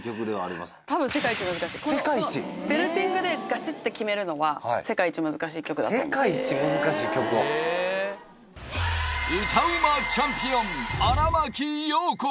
このベルティングでガチッて決めるのは世界一難しい曲だと思う世界一難しい曲を歌うまチャンピオン・荒牧陽子